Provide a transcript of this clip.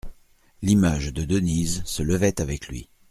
L'image de Denise se levait avec lui.